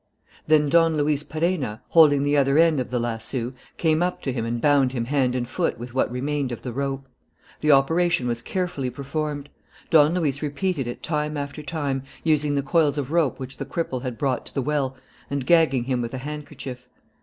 Then Don Luis Perenna, holding the other end of the lasso, came up to him and bound him hand and foot with what remained of the rope. The operation was carefully performed. Don Luis repeated it time after time, using the coils of rope which the cripple had brought to the well and gagging him with a handkerchief.